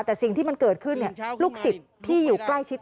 แต่สิ่งที่มันเกิดขึ้นลูกศิษย์ที่อยู่ใกล้ชิด